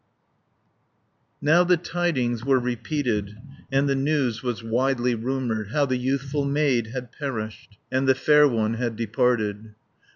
Now the tidings were repeated, And the news was widely rumoured, How the youthful maid had perished, And the fair one had departed.